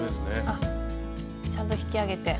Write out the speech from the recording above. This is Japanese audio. あっちゃんと引き上げて。